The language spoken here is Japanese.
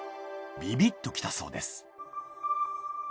ビビッときたそうです。